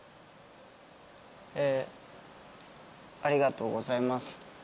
ありがとうございます。